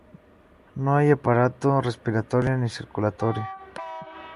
No hay aparato respiratorio ni circulatorio.